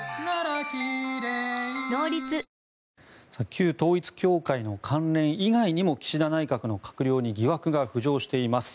旧統一教会の関連以外にも岸田内閣の閣僚に疑惑が浮上しています。